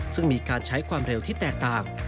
ซึ่งมีการใช้ความเร็วที่แตกต่าง